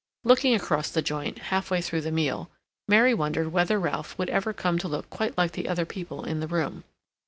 Looking across the joint, half way through the meal, Mary wondered whether Ralph would ever come to look quite like the other people in the room.